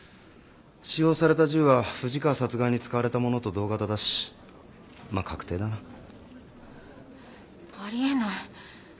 使用された銃は藤川殺害に使われたものと同型だしまあ確定だな。ありえない。